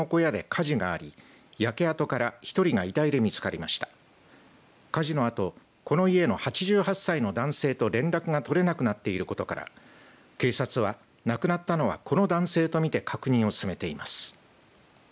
火事のあとこの家の８８歳の男性と連絡が取れなくなっていることから警察は亡くなったのは、この男性と見て確認を進めています。